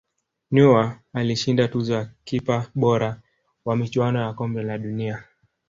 neuer alishinda tuzo ya kipa bora wa michuano ya kombe la dunia